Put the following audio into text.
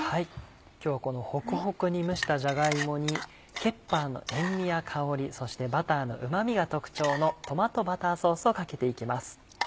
今日このホクホクに蒸したじゃが芋にケッパーの塩味や香りそしてバターのうま味が特徴のトマトバターソースをかけていきます。